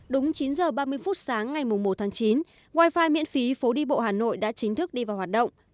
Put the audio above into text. đúng chín h ba mươi phút sáng ngày một tháng chín wifi miễn phí phố đi bộ hà nội đã chính thức đi vào hoạt động